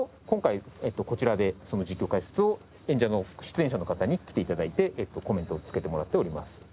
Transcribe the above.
今回こちらで実況解説を出演者の方に来て頂いてコメントをつけてもらっております。